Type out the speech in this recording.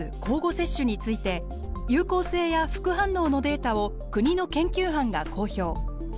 交互接種について有効性や副反応のデータを国の研究班が公表。